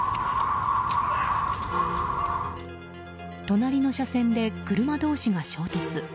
隣の車線で車同士が衝突。